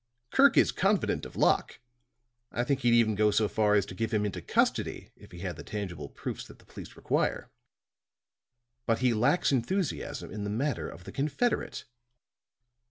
Kirk is confident of Locke; I think he'd even go so far as to give him into custody, if he had the tangible proofs that the police require. "But he lacks enthusiasm in the matter of the confederate.